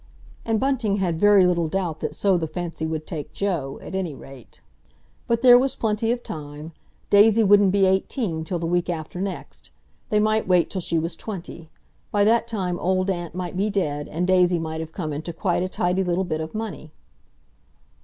And Bunting had very little doubt that so the fancy would take Joe, at any rate. But there was plenty of time. Daisy wouldn't be eighteen till the week after next. They might wait till she was twenty. By that time Old Aunt might be dead, and Daisy might have come into quite a tidy little bit of money.